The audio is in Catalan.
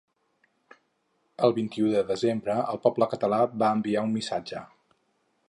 El vint-i-u de desembre el poble català va enviar un missatge.